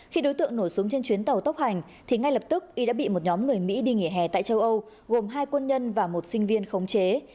khi đối tượng nổ súng trên chuyến tàu tốc hành thì ngay lập tức y đã bị một nhóm người mỹ đi nghỉ hè tại châu âu gồm hai quân nhân và một sinh viên khống chế